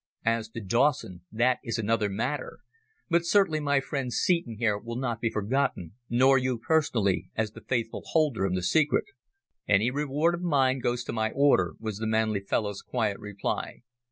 "As to Dawson that is another matter, but certainly my friend Seton here will not be forgotten, nor you personally, as the faithful holder of the secret." "Any reward of mine goes to my Order," was the manly fellow's quiet reply.